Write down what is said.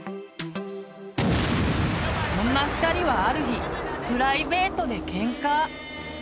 そんな２人はある日プライベートでけんか。